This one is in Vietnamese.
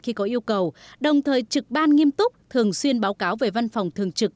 khi có yêu cầu đồng thời trực ban nghiêm túc thường xuyên báo cáo về văn phòng thường trực